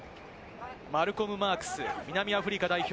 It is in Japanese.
マルコム・マークス、南アフリカ代表。